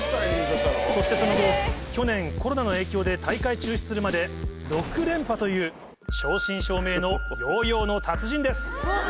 そしてその後去年コロナの影響で大会中止するまで６連覇という正真正銘のヨーヨーの達人です。